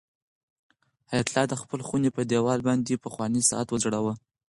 حیات الله د خپلې خونې په دېوال باندې پخوانی ساعت وځړاوه.